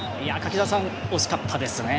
柿澤さん、惜しかったですね。